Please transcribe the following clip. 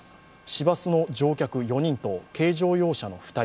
市バスの乗客４人と軽乗用車の２人、